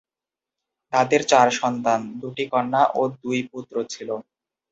তাদের চার সন্তান, দুটি কন্যা ও দুই পুত্র ছিল।